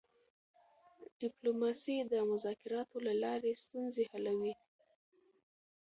ډیپلوماسي د مذاکراتو له لارې ستونزې حلوي.